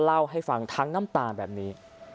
เล่าให้ฟังทั้งน้ำตาแบบนี้